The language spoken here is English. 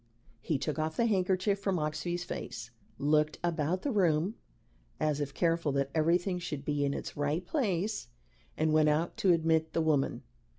He took off the handkerchief from Oxbye's face, looked about the room as if careful that everything should be in its right place, and went out to admit the woman.